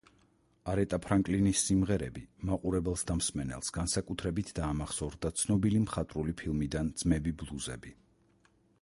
არეტა ფრანკლინის სიმღერები მაყურებელს და მსმენელს განსაკუთრებით დაამახსოვრდა ცნობილი მხატვრული ფილმიდან „ძმები ბლუზები“.